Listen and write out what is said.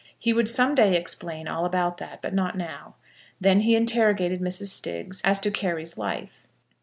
He would some day explain all about that, but not now. Then he interrogated Mrs. Stiggs as to Carry's life.